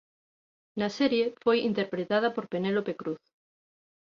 Na serie foi interpretada por Penélope Cruz.